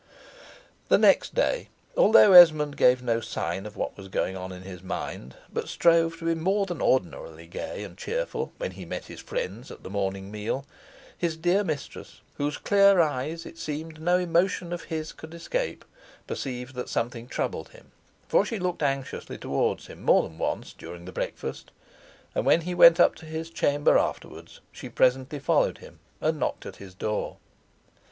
The next day, although Esmond gave no sign of what was going on in his mind, but strove to be more than ordinarily gay and cheerful when he met his friends at the morning meal, his dear mistress, whose clear eyes it seemed no emotion of his could escape, perceived that something troubled him, for she looked anxiously towards him more than once during the breakfast, and when he went up to his chamber afterwards she presently followed him, and knocked at his door.